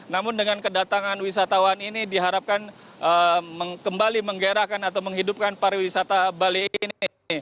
namun dengan kedatangan wisatawan ini diharapkan kembali menggerahkan atau menghidupkan para wisata bali ini